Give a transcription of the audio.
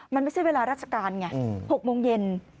มันไม่ใช่เวลาราชการไง๖โมงเย็น